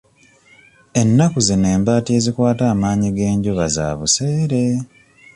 Ennaku zino embaati ezikwata amaanyi g'enjuba za buseere.